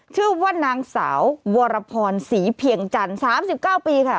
ชื่อว่านางสาววรพรศรีเพียงจันทร์๓๙ปีค่ะ